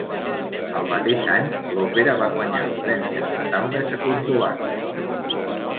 El mateix any, l'òpera va guanyar el Premi Estatal de Txecoslovàquia.